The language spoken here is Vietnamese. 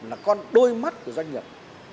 là con đôi mắt của doanh nghiệp